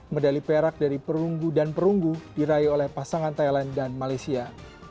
medali perak dari perunggu dan perunggu diraih oleh pasangan thailand dan malaysia